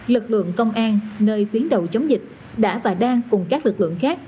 lực lượng công an nơi tuyến đầu chống dịch đã và đang cùng các lực lượng khác